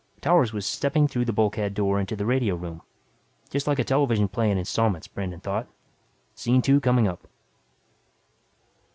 Towers was stepping through the bulkhead door into the radio room. Just like a television play in installments, Brandon thought. Scene two coming up.